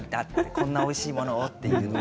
こんなおいしいものって。